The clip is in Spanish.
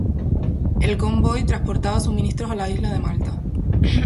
El convoy transportaba suministros a la isla de Malta.